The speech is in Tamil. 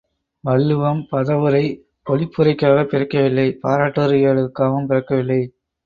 வள்ளுவம், பதவுரை, பொழிப்புரைக்காகப் பிறக்கவில்லை பாராட்டுரைகளுக்காகப் பிறக்க வில்லை.